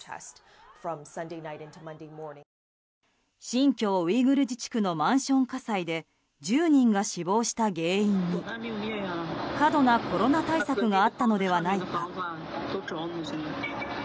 新疆ウイグル自治区のマンション火災で１０人が死亡した原因に過度なコロナ対策があったのではないか。